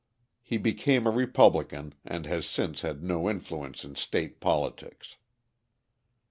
He became a Republican and has since had no influence in state politics.